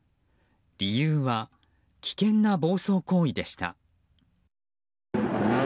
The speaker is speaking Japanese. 理由は危険な暴走行為でした。